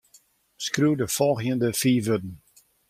Skriuw de folgjende fiif wurden.